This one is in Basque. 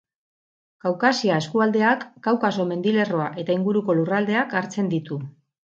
Kaukasia eskualdeak Kaukaso mendilerroa eta inguruko lurraldeak hartzen ditu.